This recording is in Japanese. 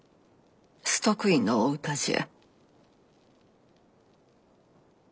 崇徳院のお歌じゃ。